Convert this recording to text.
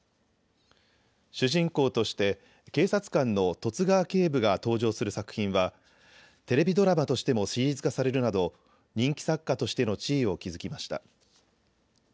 主人公として警察官の十津川警部が登場する作品はテレビドラマとしてもシリーズ化されるなど人気作家としての地位を築きました。